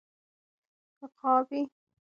غابي د لوږې او تندې پر وړاندې صبر کوي.